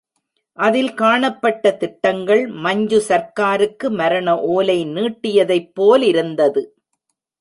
அதில் காணப்பட்ட திட்டங்கள் மஞ்சு சர்க்காருக்கு மரண ஓலை நீட்டியதைப் போலிருந்தது.